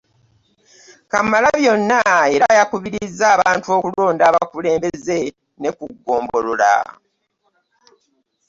Kamalabyonna era yakubirizza abantu okulonda abakulembeze ne ku ggombolola